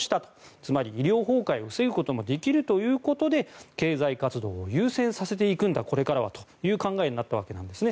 つまり、医療崩壊を防ぐこともできるということで経済活動を優先させていくんだこれからはという考えになったんですね。